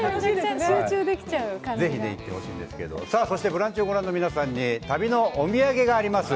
「ブランチ」をご覧の皆さんに旅のお土産があります。